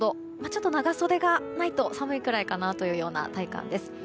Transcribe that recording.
ちょっと長袖がないと寒いくらいかなという体感です。